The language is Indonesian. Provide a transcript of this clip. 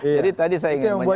jadi tadi saya ingin menyambung